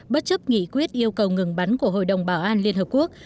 bất chấp nghị quyết yêu cầu ngừng bắn của hội đồng bảo an liên hợp quốc